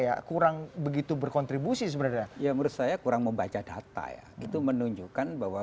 ya kurang begitu berkontribusi sebenarnya yang merasa kurang membaca data itu menunjukkan bahwa